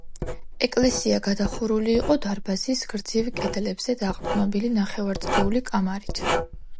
ეკლესია გადახურული იყო დარბაზის გრძივ კედლებზე დაყრდნობილი ნახევარწრიული კამარით.